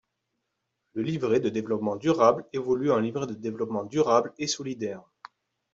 Le livret de développement durable évolue en livret de développement durable et solidaire.